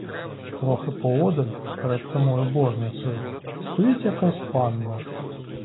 Трохи поодаль перед самою божницею стоїть якась панна.